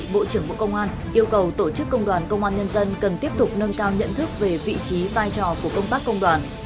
bộ trưởng bộ công an yêu cầu tổ chức công đoàn công an nhân dân cần tiếp tục nâng cao nhận thức về vị trí vai trò của công tác công đoàn